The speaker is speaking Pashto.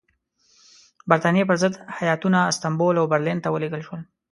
برټانیې پر ضد هیاتونه استانبول او برلین ته ولېږل شول.